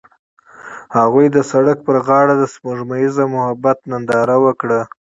هغوی د سړک پر غاړه د سپوږمیز محبت ننداره وکړه.